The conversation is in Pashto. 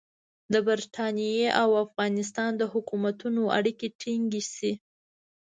د برټانیې او افغانستان د حکومتونو اړیکې ټینګې شي.